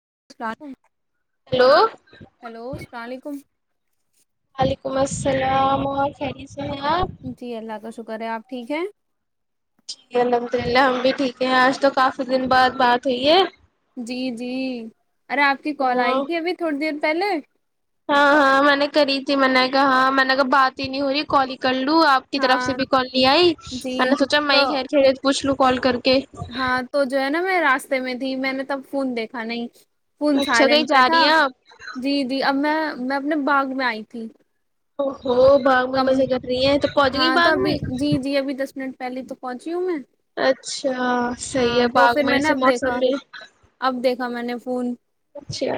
[inaudible] Hello hello السلام علیکم وعلیکم السلام خری جی اللہ کا شکر ہے آپ ٹھیک ہے ٹھیک ہے الحمد للہ ہم بھی ٹھیک ہیں آج تو کافی دن بعد بات ہوئی ہے جی جی ارے آپ کی کال تو آئی تھی ابھی تھوڑی دیر پہلے ہاں ہاں م نے کری تھی من گا ہاں من کا بات ہی نہیں ہو رہی کال کر آپ کی طرف سے ہاں بھی کال نہیں آئی جی میں نے سوچا میں تو خیر سے پوھ لوں کال کر کے ہاں تو جو ہے نا میں ر راستے میں تھی میں نے تب فون دیکھا نہیں پونچ اچھا کہیں آائلینڈ پہ جا تھا رہی ہیں آپ جی جی اب میں میں اپنے باغ میں آئی تھی ا ہو باغ میں تم مزے کر رہی ہیں تو پہنچ گئی باغ میں پہلی تو پہنچی ہوں میں اچھا صحیح ہاں ہے تو باغ پھر میں نے سے اب موسم دیکھا میں اب دیکھا میں نے فون اچھا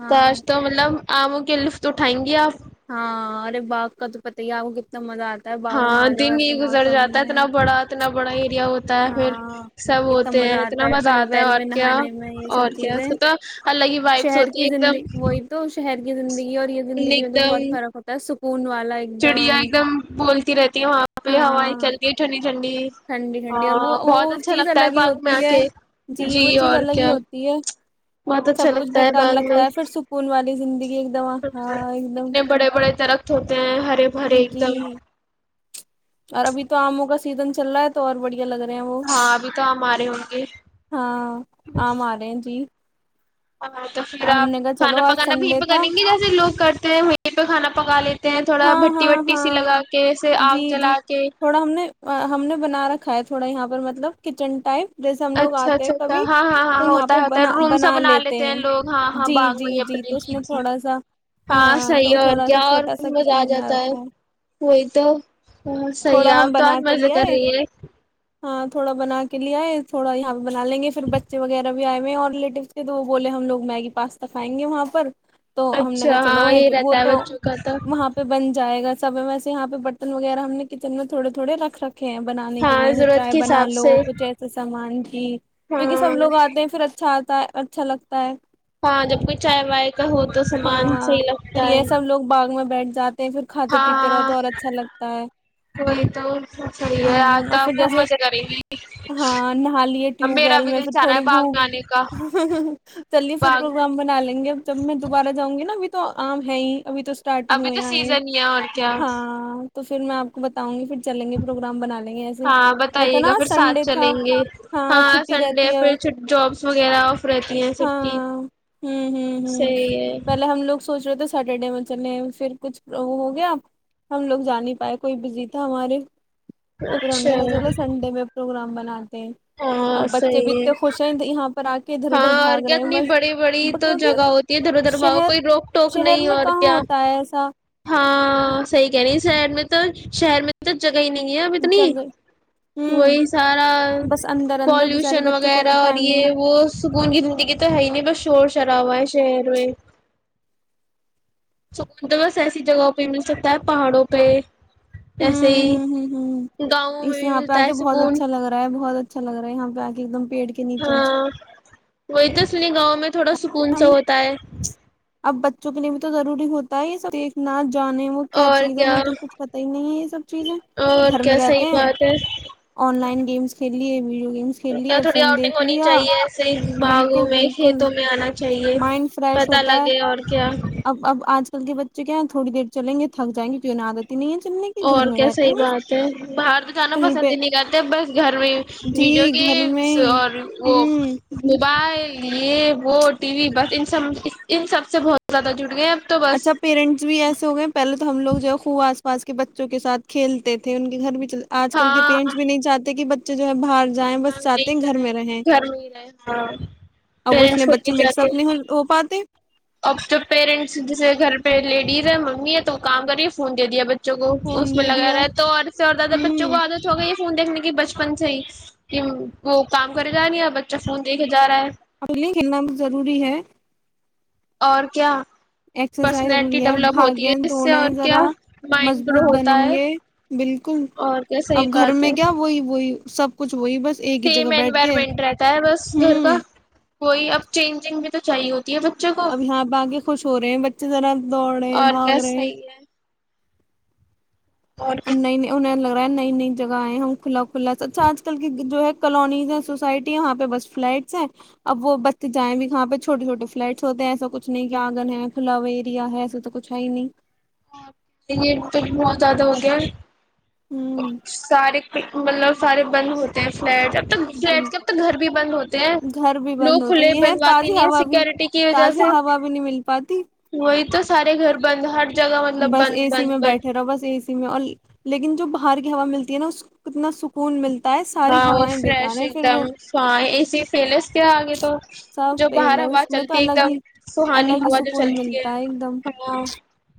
ہاں تاج تو مطلب آموں کے لفٹ اٹھائیں گے آپ ہاں ارے باغ کا تو پت ہی آپ کو کتنا مزہ آتا ہے باغ میں ہاں آ جاؤ دن ہی ایسے گزر موسم جاتا ہے میں اتنا بڑا اتنا بڑا ایریا ہوتا ہے پھر ہاں سب اتنا ہوتے مزہ ہیں اتنا آتا مزہ ٹیوب آتا ہے ویل اور میں کیا نہانے میں یہ سب اور کیا اس چیزیں تو الگ ہی وائبس شہر ہوتی ہے کی ایک دم زندگی وہی تو شہر کی زندگی اور یہ سکون زندگی ایک میں تو دم بہت فرق ہوتا ہے سک فون وال چڑیا ایک دم بولتی رہتی ہے وہاں پہ ہوائیں ہاں چلتی ہے ٹھنڈی ٹھنڈی ٹھنڈی ٹھنڈی ا وہ ہاں بہت وہ اچھا چیز لگتا ہے الگ ہی باغ میں ہوتی آ ہے کے جی وہ چیز اور الگ ہی کیا ہوتی ہے بہت سب اچھا کچھ لگتا ہے بیکار لگتا ہے پھر سکون والا زندگی ایک دم اچ ہاں ایک دم اتنے بڑے بڑے درخت ہوتے ہیں ہرے بھرے ایک جی دم اور ابھی تو آموں کا سیزن چل رہا ہے تو اور بڑی یہ لگ رہے ہیں وہ ہاں ابھی تو آم آ رہے ہوں گے ہاں آم آ رہے ہیں جی ہاں تو پھر ہم آپ نے کہا چلو کھانا آج پکانا بھی یہیں سنڈے پہ تھا کریں گے جیسے لوگ کرتے ہیں وہیں پہ کھانا پکاالے [unintelligible] ہاں ہاں ہاں آگ جی جی جلا کے تھوڑا ہم نے ہم نے بنا رکھا کاائے تھوڑا یہاں پر مطلب کچن ٹائپ جیسے ہم لوگ اچھا آتے ہیں اچھا اچھا کبھی ہاں ہاں تو ہاں یہاں ہوتا پہ ہے ہوتا ہے بنا روم سا بنا لیتے ہیں لوگ ہاں ہاں جی باغ میں جی ہی جی اپنی تو اس میں چیی تھوڑا سا ہاں صحیح تو اور تھوڑا سا کیا اور چھوٹا سا آ کچن بنا جاتا ہے رکھا کوئی تو تھوڑا صحیح آپ ہم تو آج بنا کے مزے لے کر آئے رہی ہے ہاں تھوڑا بنا کے لیائے تھوڑا یہ بنا لیں گ پھر بچے وغیرہ [unintelligible] بھی آئے میں اور ریلیٹیو سے تو وہ بولے ہم لوگ میگی پاستا کھائیں گے وہاں پر تو ہم نے اچھا کہا ہاں یہ رہتا ہے بچوں کا تو پ بن جائے گا سب وسے یہاں پہ بتن وغیرہ ہم نے کچن میں تھڑے تھوڑے رکھ رکھ کھ ہیں بنانے کے ہاں لیے ضرورت چائے کے بنا حساب لو سے کچھ ایسا سامان کیونکہ سب ہاں لوگ آتے ہیں پھر اچھا تا اچھا لگتا ہے ہاں جب کوئی چائے وائے کا ہو تو سامان ہاں صحیح پھر لگتا یہ ہے سب لوگ باغ میں بیٹھ جات [unintelligible] پھر کھاتے پیتے رہو ہاں تو اور اچھا لگتا ہے وہی تو سب صحیح ہے آج ہ تو اور آپ پھر خوب جیسے مزے کریں گی ہاں نہا لیے ٹیوب میرا ویل بھی میں دل پھر چاہ رہا ہے تھوڑی باغ بھوک میں آنے کا چلیے پھر باغ پروگرام بنا لیں گے ا جب میں دوبارہ جاؤں گی نا تو عام ہے ہی ابھی تو اسٹارٹ ہی ابھی ہوئے تو آئے ہیں۔ سیزن ہی ہے اور کیا ہاں تو پھر میں آپ کو بتاؤں گی پھر چلیں گے پروگرام بنا لیں گے ایسے ہاں یہ تھا بتائیے گا نا پھر ساتھ سنڈے تھا چلیں گے ہاں چھٹی سنڈے رہتی ہے پھر جابس وغیرہ آف رہتی ہیں سب کی ہاں ہ ہ ہ صحیح ہے پہلے ہم لوگ سوچ رہو تھ سٹر ڈے میں چلے پھر کچھ وہ ہو گیا ہم لوگ جا نہیں پائے کوئی بزیتا ہمارے پھر ان نے اچھا کہ چلو سنڈے میں پروگرام میں ہ [unintelligible] اب ہاں بچے صحیح بھی ہے اتتے خوش ہیں یہاں پر آ کے ادھر ادھر ہاں اور بھاگ کیا رہے ہیں اتنی بس بڑی بڑی تو کیونکہ جگہ ہوتی ہے دھر دھر باؤ شہر کوئی روک ٹوک نہیں اور کیا س [unintelligible] ہاں صحیح کہ رہ شہر میں تو شہر میں تو گئی نہیں اب اتنی جگہ وہی سارا بس اندر اندر بچارے پالوشن بچوں کو بھی وغیرہ اور ٹائم نہیں یہ وہ سکون کی زندگی تو ہے ہی نہیں بس شور شرابے ہوا ہے شہر میں سکون تو بس ایسی جگہوں پہ مل سکتا ہے پہاڑوں پہ ایسے ہوں ہ ہی ہ ہ گاؤں میں اسے بھی یہاں پہ ملتا ہے آے بہت سکون اچھا لگ رہا ہے بہت اچھا لگ رہا ہے یہاںہ گا کہ ایک دم پیڑ کے نیچے بچھ ہوئیتاس نہیں گاؤں میں تھوڑا سکون سا ہوتا ہے اب تو ضروری ہوتا ہے ہی دیکھنا نے وہ کیا چیز ہے نا تو کچھ پتہ ہی نہیں ہے یہ سب چیزیں اور گھر میں کیا رہتے صحیح ہیں بات ہے ان لائن گیمز کھیلتے ہیں لیے گیمس کھیل لیے تھوڑی فون اؤٹنگ دیکھ ہونی لیا چاہیے باغوں بالکل میں بالکل کھیتوں میں مائنڈ فریش پتہ لگے اور کیا ان کے بچے کے ہاں تھوڑی دیر چلیں گے تھک جائیں گی تو ان عادت ہی نہیں ہے چلنے کی گھر اور میں کیسے رہتے ہیں بس بات ہے بھارت گانا کہیں پہ پسند ہی نہیں کرتے بس گھر میں جی ویڈیو کے گھر میں ہی اور وہ ہوں موبائل لیے وہ ٹی وی بس ان سب ان سب سے بہت زیادہ جڑ گئے ہیں اچھا پیرنٹس بھی ایسے ہو گئے ہیں پہلے تو ہم لوگ جو ہے خوب پاس کے بچوں کے ساتھ کھیلتے تھے ان کے گھر اج کل کے ہاں پینٹس بھی نہیں چاہتے کہ جو ہے بہار جائیں ہاں بس نہیں چاہتے گھر جائے میں رہیں گھر میں ہی رہے ہاں اب اس پیرنٹس میں خود بچے نہیں مکس چاہتے اپ نہیں ہو پاتے اب جو پیرنٹس جیسے گھر لیڈیز ہیں منگنی ہے تو کام کر رہی ہے فون بچوں کو فون اس میں دے لگا دیا رہا ہے تو عرصے اور زیادہ بچوں کو ہوں عادت ہو گئی ہے دیکھنے کے بچپن سے ہی وہ کام کرے گا نہیں بچے فون دے کے جا رہا ہے ضروری ہے اور کیا ایکسرسائز پرسنالٹی ضروری ڈیولپ ہوتی اس سے ہے اور کیا ذرا مائنڈ گرو مضبوط ہوتا بنیں ہے گے اور کیا صحیح اب گھر بات ہے میں گیا وہی وہی سب کچھ وہی بس ایک ہی سیم جگہ بیٹھ کے انوائرمنٹ رہتا ہے بس گھر کا ہوں کوئی اب چینج تو چاہیے ہے بچوں کو اب یہاں اب اگے خوش ہو رہے ہیں جب دوڑے اور بھاگ کیا رہے ہیں صحیح ہے اور [inaudible] کیا نئی نئی جگہ ائے ہم کھلا اچھا آج کل کی جو ہے کالونیز ہے سوسائٹی وہاں پہ بس فلٹس ہیں اب وہ بچے جائیں بھی کہاں پہ چھوٹے چھوٹے فلٹس ہوتے ہیں ایسا کچھ نہیں کہ آنگن ہے کھولا ایریا ہے ایسا تو کچھ ہے ہی نہیں یہ تو بہت زیادہ ہو گیا ہوں سارے مطلب سارے بند ہوتے ہیں فلیٹ اب تو فلیٹ کے اب تو گھر بھی بند ہوتے ہیں گھر بھی لوگ بند ہوتے کھلے یہ ہے بنواتے تازی نہیں ہیں ہوا بھی سیکورٹی کی وجہ تازی سے ہوا بھی نہیں مل پاتی وہی تو سارے گھر بند ہر جگہ مطلب بس بند اے سی بند میں بند بیٹھے رہا بس اے سی میں اور لیکن جو ہار کی ہوا ملتی ہے نا اس کتنا سکون ملتی ہاں وہ فریش ایک دم ایسی فیلس کیا آگے تو سب جو پیل باہر ہے ہوا اس میں تو چلتی ہے ایک الگ دم ہی سہانی الگ ہی ہوا جو سکون چلتی ہے ملتا ایک دم ہ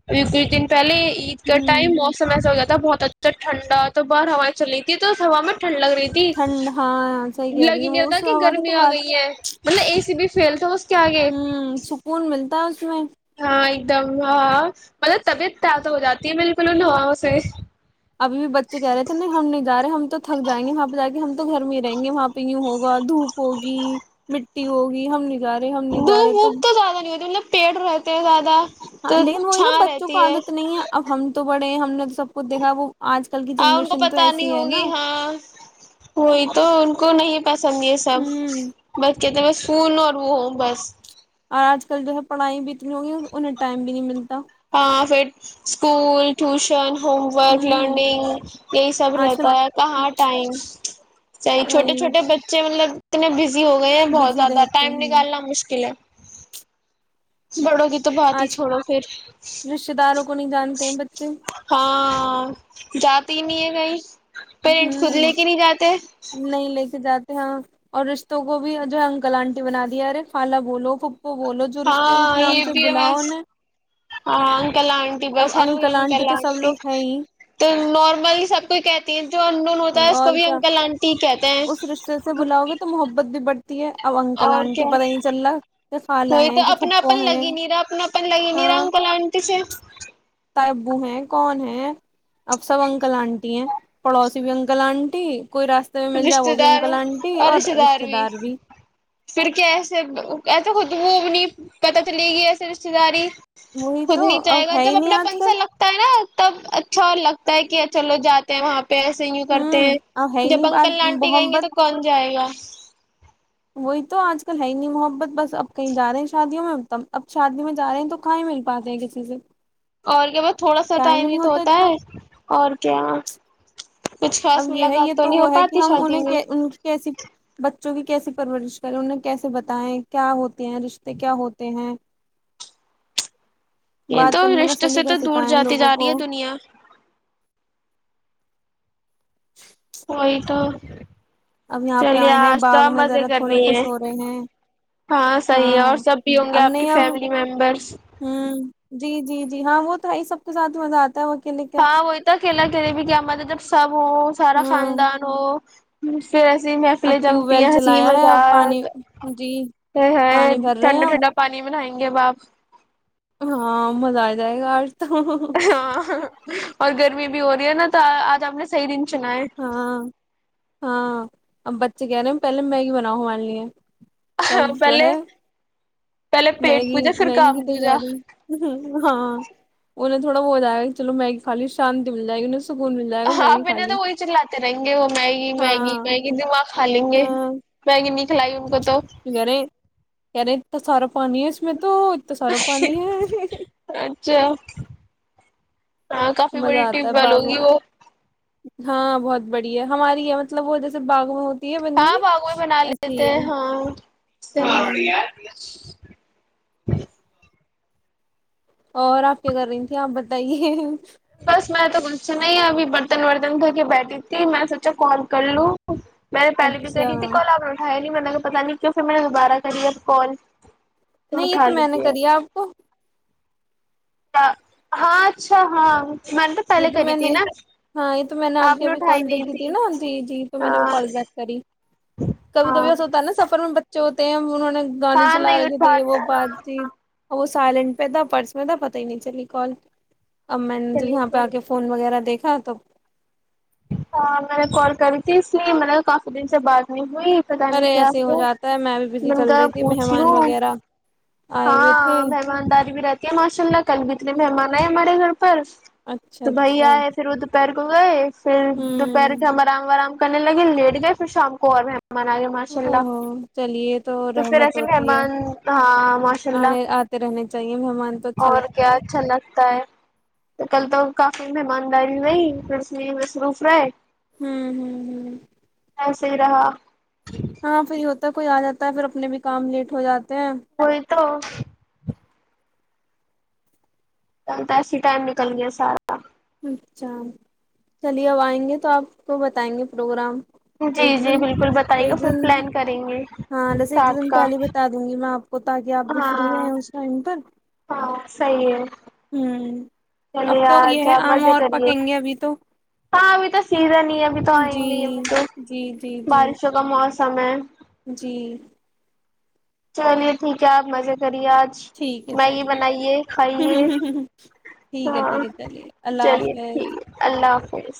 [inaudible] دن پہلی عید کا ہوں ٹائم موسم ایسا ہو بہت اچھا ھڈا تو بر ہوائیں چل رہ تھی تو اس ہوا میں ٹھنڈ لگ رہی تھی ٹھنڈ ہاں صحیح کہہ رہی لگی ہے گیا وہ تھا اس کہ ہوا کی گرمی تو آ بات گئی ہے مطلب اے سی بھی فیل تھا بس کے آگے ہوں سکون ملتا ہے اس میں ہاں ایک دم ہاں مطلب طبیعت تار تو ہو جاتی ہے بالکل ان ہواؤں سے ابھی بھی بچے کہہ رہے تھے نہیں ہم نہیں جا رہے ہم تو تھک جائیں گے وہاں پہ جا کے ہم تو گھر میں ہی رہیں گے وہاں پہ یوں ہوگا دھپ ہوگی مٹی ہوگی ہم جا رہے ہم نہیں جا رہے دھوپ تو ووپ زیادہ نہیں ہوتی مطلب پیڑ رہتے ہیں زیادہ ہاں تو لیکن وہی نا چھاں بچوں کو رہتی ہے عادت نہیں ہے اب ہم تو بڑے ہم نے سب کچھ دیکھا وہ آج کل کی ہاں ان کو جنریشن تو پت نہیں ایسی ہے نا ہوگی ہاں ہوئی تو ان کو نہیں پسند یہ سب ہوں ب کہتے ہیں بس فون اور وہ ہو بس اور آج کل جو ہے پڑھائی بھی اتنی ہو گی انہیں ائم بھی نہیں ملتا ہاں پھر اسکول ٹیوشن ہوم ورک ہوں لرننگ یہی سب آج رہتا کل ہے کہاں ٹائم صحیح چھوٹے کہیں بھی چھوٹے ٹائم بچے مطلب اتنے زی ہو گئے ہیں بہت بزی زیادہ رہتے ٹائم ہیں نکالنا مشکل ہے بڑوں کی تو بات ہی آج چھوڑو پھر رشتے داروں کو نہیں جانتے ہیں بچے ہاں جاتی ہی نہیں ہے [inaudible] پیرنٹ خود لے ہوں کے نہیں جاتے نہیں لے کے جاتے ہاں اور رشتوں کو بھی جو ہے انکل آنٹی بنا دیا ارے خالا بولو بولو جو رشتے ہیں اس ہاں نام یہ سے بھی ہے بلاؤ بس انہیں ہاں انکل آنٹی اب بس ہر کو انکل تو سب آنٹی لوگ ہیں ہی تو نارملی سب کوئی کہتی ہیں جو انڈون ہوتا ہے اس کو اور بھی کیا انکل آنٹی کہتے ہیں اس رشتے سے بلاؤ گے تو محبت بھی بڑھتی ہے اب انکل اور آنٹی کیا پتہ ہی نہیں چل رہا کہ خالہ کوئی تو ہیں کہ اپنا پھپھو اپن ہیں لگی نہیں رہا اپنا اپن لگی نہیں رہا ان کل آنٹی سے تائی ابو ہیں کون ہیں اب سب انکل آنٹی ہیں پڑوسی بھی انکل آنٹی کوئی راستے میں مل جائے رشتے وہ بھی دار انکل آنٹی اور رشتے دار بھی پھر کیا ایسے ایسے خود وہ انہیں پتہ چلے گی ایسے رشتے داری وہی خود تو نہیں چاہے اب گا ہے ہی جب نہیں اپنا آج پن کل سا لگتا ہے نا تب اچھا لگتا ہے کہ چلو جاتے ہیں وہاں پیسے یوں کرتے ہیں ہوں اب ہے ہی جب نہیں آج آنٹی کہیں گے تو محبت کون کہے گا وہی تو آج کل ہے ہی نہیں محبت بس اب کہیں جا رہے ہیں شادیوں میں تب اب شادی میں جا رہے ہیں تو کہاں ہی مل پاتے ہیں کسی سے اور کیا بس تھوڑا سا ٹائم ہی تو ہوتا ہے اور کیا کچھ اب خاص یہ ہے یہ ملاقات تو نہیں ہو وہ ہے کہ پاتی ہم شادی انہیں میں ان کیسی بہ چوں کی کیسی پرورش کرے انیں کیسے بتائے کیا ہوتے ہیں رشتے کیا ہوتے ہیں یہ تو بات کرنے کا رشتے سے سلیقہ تو دور سکھائیں جاتی لوگوں جا کو رہی ہے دنیا وہیں تو اب یہاں پہ چلیے آئے ہیں آج تو آپ باغ میں مزے ذرا کر تھوڑے رہی ہیں خوش ہو رہے ہیں ہاں صحیح ہے اور ہاں سب بھی ہوں گے اب آپ کی نہیں فیملی ممبرس اب جی جی جی ہاں وہ تو ہے سب کے ساتھ مزہ توا کے لیے کیا ہاں وہی اکیلا اکیلے بھی کیا مزہ جب سب ہو سارا ہاں خاندان ہو [unintelligible] پھر اسی اب محفلیں ٹیوب جمتی ویل ہیں ہسی چلایا ہے اب پانی مذاق جی ہائے ہائے پانی بھر رہے ہیں ٹھنڈا اب ٹھنڈا پانی میں نہائیں گے باپ ہاں مزہ آ جائے گا آج [unintelligible] ہاں اور گرمی بھی ہو رہی ہے نا تو آج آپ نے صحیح دن چنا ہے ہاں ہاں اب بچے کہہ رہے ہیں پہلے میگی بناؤں ہمارے لیے تب جو پہلے ہے پہلے پیٹ میگی پوجا پھر میگی کام کی دوجا تیاری ہاں [unintelligible] گا میگی کھا ہاںبنا تو لی وہی چلا تے رہیں گے وہ میگی میگی ہاں میگی دماغ کھا لیں گے ہاں میگی نہیں [unintelligible] [unintelligible] [unintelligible] پانی ہے اس میں تو اتنا سارا پانی ہے اچھا ہاں کافی مزہ بڑی ٹیپ آتا ہے وال باغ ہوگی میں وہ ہاں بہت بڑیا ہے ہماری ہے مطلب وہ جیسے باغ میں ہوتی ہے بنی ہاں ہوئی باگوئی بنا ایسی لیتے ہی ہے ہیں ہاں ہاں [inaudible] اور آپ کیا کر رہی تیں آپ بتائیے بس میں تو کچھ نہیں ابھی برتن ورتن کرھ کے بیٹھی تھی میں سوچا کال کر لوں میں نے پہلے بھی اچھا کرائی تھی کل اپنے اٹھایا ہی نہی کو پتا نہیں کیوں پھر میں نے دوبارہ کری ہیں کال تم نہیں یہ اٹھا تو میں نے لیجیے کری ہیں آپ کو ہاں اچھا ہاں میں نے یہ پہلے تو کری میں تھی نے نا ہاں یہ تو میں نے آپ کی ابھی کال دیکھی تھی نا جی جی تو میں نے وہ کال ہاں بیک کری کبھی ہاں کبھی ایسا ہوتا نا سفر میں بچے ہو انہوں نے گانے ہاں چلا نہیں اٹھ رکھی تھے یہ پاتا وہ بات ہاں چیت وہ سائلنٹ پہ تھا پرس میں تھا پتہ ہی نہیں چلی کال اور مہینے جب چلیے یہاں پی آ کے چلیے فون وغیرہ دیکھ [unintelligible] ہاں میں نے کال کری تھی اس لیے میں نے کافی دن سے بات نہیں وہی پتہ نہیں ارے کیا ایسے ہی ہو جاتا ہے میں بھی بزی مہینے چل کہاں رہی تھی پوچھ مہمان لوں وغیرہ آئے ہوئے تھے ہاں مہمانداری بھی رہتی ہے ماشاء اللہ کل بھی اتنے مہمان آئے ہمارے گھر پر اچھا تو بھائی اچھا آئے پھر وہ دوپہر کوئے ہیں پھر دوپہر ہوں سے ہم آرام آرام کرنے لگے لیٹ گئے پھر شام کو اور میں ماں آئے ماشاء اللہ او چلیے تو پھر رحمت ایسے ہوتی ہے ممان ہاں ماشاء اللہ آنے آتے رہنے چاہیے مہمان تو اچھا اور لگتا کیا ہے اچھا لگتا ہے تو کل تو کاف مہمانداری نہیں پھر اس میں ہی مصروف رہے ہمم ہمم ہمم ایسے ہی رہا ہاں وہی ہوتا ہے کوئی آ جاتا ہے پھر اپنے بھی کام لیٹ ہو جا تا ہے وہی تو چل تا ایسی ٹائم نکل گیا سارا اچھا چلیے اب آئیں گے تو آپ کو بتائیں گے پروگرام جی ایک دو جی دن بالکل بتائیے گا ایک دو پھر دن پلان کریں گے ہاں جیسے ایک دو ساتھ دن کا پہلے بتا دوں گی میں آپ کو تاکہ آپ بھی فری ہاں ہیں اس ٹائم پر ہاں صحیح ہے ہوں اب چلیے تو یہ آج ہے آپ آم مزے اور کریے پکیں گے ابھی تو ہاں ا تو سیزن ابھی تو جی آئیں گے یہ آم تو جی جی جی بارشوں کا موسم سمے جی چلیے ٹھیک ہے آپ مزے کر آج ٹھیک ہے میگی چلیے بنائیے کھائیے ٹھیک ہے ہاں ٹھیک ہے چلیے اللہ چلیے حافظ ٹھیک اللہ حافظ